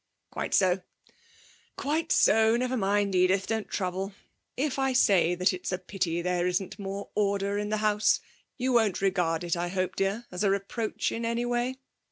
'Quite so ... quite so. Never mind, Edith, don't trouble. If I say that it's a pity there isn't more order in the house you won't regard it, I hope, dear, as a reproach in any way.